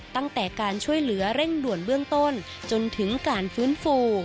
ตั้งแต่การช่วยเหลือเร่งด่วนเบื้องต้นจนถึงการฟื้นฟู